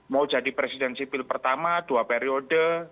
mau jadi presiden sipil pertama dua periode